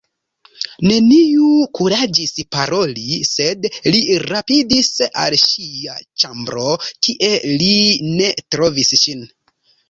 Neniu kuraĝis paroli, sed li rapidis al ŝia ĉambro, kie li ne trovis ŝin.